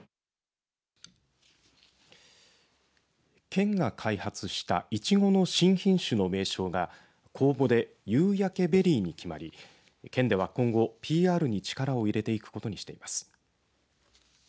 県が開発したいちごの新品種の名称が公募で、ゆうやけベリーに決まり県では今後、ＰＲに力を入れていくことにしています。